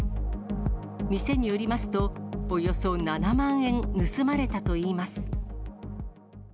店によりますと、およそ７万円盗まれたといいます。